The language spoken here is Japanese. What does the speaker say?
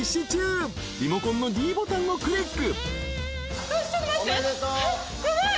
［リモコンのｄボタンをクリック］